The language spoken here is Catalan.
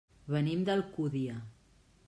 Venim d'Alcúdia.